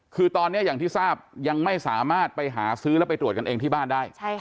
คือตอนนี้อย่างที่ทราบยังไม่สามารถไปหาซื้อแล้วไปตรวจกันเองที่บ้านได้